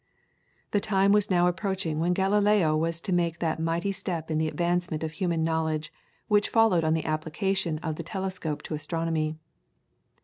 The time was now approaching when Galileo was to make that mighty step in the advancement of human knowledge which followed on the application of the telescope to astronomy.